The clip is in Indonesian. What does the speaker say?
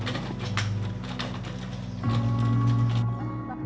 masa itu mama ana terus berhenti berjalan